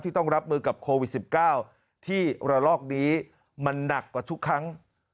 ต้องรับมือกับโควิด๑๙ที่ระลอกนี้มันหนักกว่าทุกครั้ง